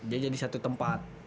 dia jadi satu tempat